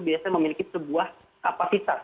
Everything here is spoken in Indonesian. biasanya memiliki sebuah kapasitas